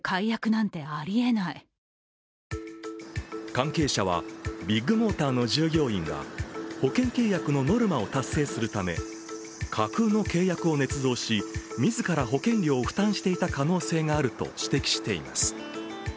関係者はビッグモーターの従業員が保険契約のノルマを達成するため架空の契約をねつ造し、自ら保険料を負担していた可能性があると指摘しています。